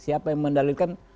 siapa yang mendalilkan